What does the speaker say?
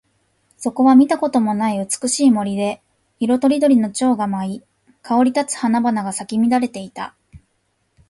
そこは見たこともない美しい森で、色とりどりの蝶が舞い、香り立つ花々が咲き乱れていた。